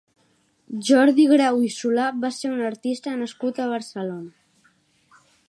Jordi Grau i Solà va ser un artista nascut a Barcelona.